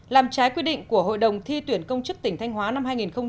làm trái quy định của hội đồng thi tuyển công chức tỉnh thanh hóa năm hai nghìn một mươi chín